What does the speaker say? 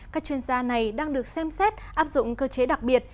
các chuyên gia này đang được xem xét áp dụng cơ chế đặc biệt